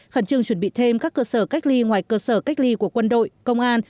khẩn trương chuẩn bị thêm các cơ sở cách ly ngoài cơ sở cách ly của quân đội công an